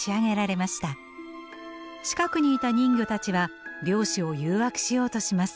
近くにいた人魚たちは漁師を誘惑しようとします。